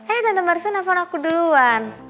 eh tante marissa telepon aku duluan